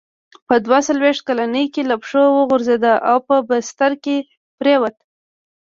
په دوه څلوېښت کلنۍ کې له پښو وغورځېد او په بستره کې پرېووت.